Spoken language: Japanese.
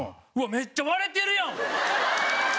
めっちゃ割れてるやん！